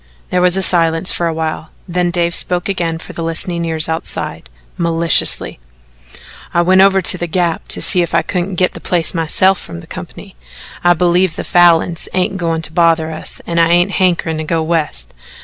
There was silence for a while. Then Dave spoke again for the listening ears outside maliciously: "I went over to the Gap to see if I couldn't git the place myself from the company. I believe the Falins ain't goin' to bother us an' I ain't hankerin' to go West.